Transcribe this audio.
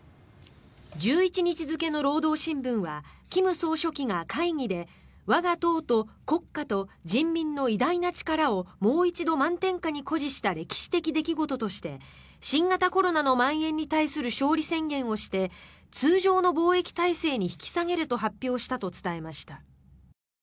１１日付の労働新聞は金総書記が会議で我が党と国家と人民の偉大な力をもう一度、満天下に誇示した歴史的出来事として新型コロナのまん延に対する勝利宣言をして通常の防疫体制に引き下げると発表したと伝えました。